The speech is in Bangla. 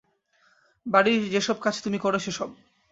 বাড়ির যেসব কাজ তুমি করো সেসব।